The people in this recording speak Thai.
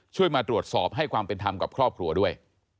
มาตรวจสอบให้ความเป็นธรรมกับครอบครัวด้วย